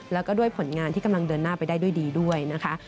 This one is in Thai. แล้วก็ด้วยผลงานที่กำลังเดินหน้าไปได้ด้วยดีด้วยนะคะ